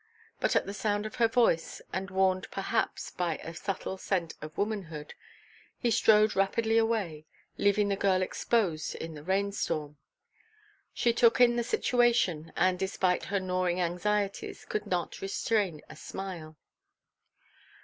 But at the sound of her voice and warned perhaps by a subtle scent of womanhood, he strode rapidly away, leaving the girl exposed to the rain storm; she took in the situation, and, despite her gnawing anxieties, could not restrain a smile.